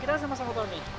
kita sama sama tahu nih